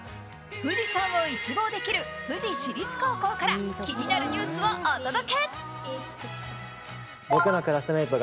富士山を一望できる富士市立高校から気になるニュースをお届け。